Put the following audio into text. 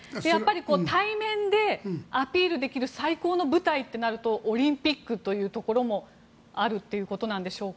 対面でアピールできる最高の舞台となるとオリンピックというところもあるんでしょうか。